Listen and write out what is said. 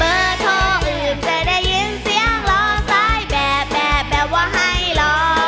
เมื่อโทรอื่นจะได้ยินเสียงร้องทรายแบบแบบว่าให้รอ